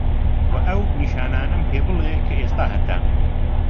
وە ئەو نیشانانەم پێ بلێ کە ئێستا هەتە؟